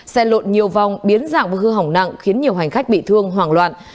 xe lộn nhiều vòng biến dạng và hư hỏng nặng khiến nhiều hành khách bị thương hoảng loạn